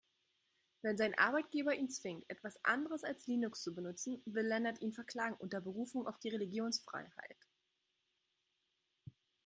Wenn sein Arbeitgeber ihn zwingt, etwas anderes als Linux zu benutzen, will Lennart ihn verklagen, unter Berufung auf die Religionsfreiheit.